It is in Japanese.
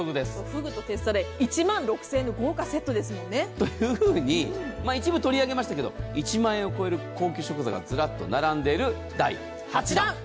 ふぐとてっさで１万６０００円のというふうに一部取り上げましたが１万円を超える高級食材がずらっと並んでいる第８弾。